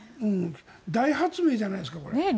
大発明じゃないですか、これは。